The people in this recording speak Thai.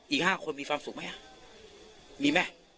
อีก๕คนมีความสุขไหมมีไหม